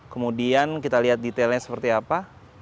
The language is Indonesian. kemudian kita lihat detailnya seperti apa